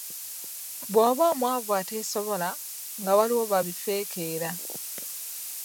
"Bw’oba omwavu ateesobola, nga waliwo ba bifeekeera."